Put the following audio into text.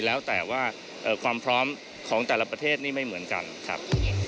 แล้วแต่ว่าความพร้อมของแต่ละประเทศนี่ไม่เหมือนกันครับ